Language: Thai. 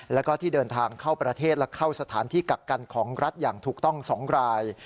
แล้วก็ที่เดินทางเข้าประเทศและเข้าสถานที่กักกันของรัฐอย่างถูกต้อง๒ราย